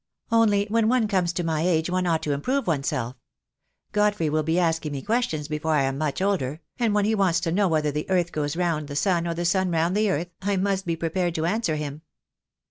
Only when one comes to my age one ought to improve oneself. Godfrey will be asking me questions before I am much older — and when he wants to know whether the earth goes round the sun or the sun round the earth, I must be prepared to answer him."